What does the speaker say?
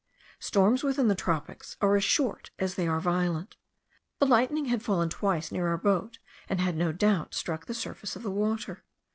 Storms within the tropics are as short as they are violent. The lightning had fallen twice near our boat, and had no doubt struck the surface of the water.